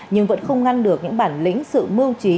nhưng vẫn không ngăn được những bản lĩnh sự mưu trí